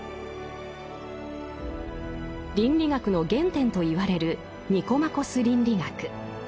倫理学の原点と言われる「ニコマコス倫理学」。